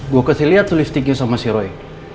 gue kasih liat tuh listriknya sama si roy